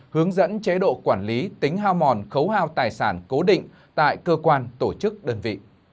hướng dẫn chế độ quản lý tính hao mòn khấu hao tài sản cố định tại cơ quan tổ chức đơn vị